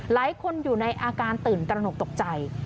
อยู่ในอาการตื่นตระหนกตกใจ